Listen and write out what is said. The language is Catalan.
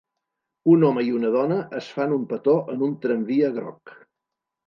Un home i una dona es fan un petó en un tramvia groc.